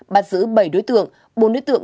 bắt giữ bảy đối tượng bốn đối tượng